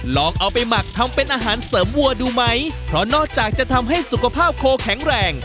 ลองเอาไปหมักทำเป็นอาหารเสริมวัวดูไหมเพราะนอกจากจะทำให้สุขภาพโคแข็งแรง